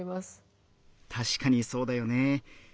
たしかにそうだよね。